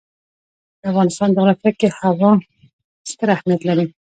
د افغانستان جغرافیه کې هوا ستر اهمیت لري.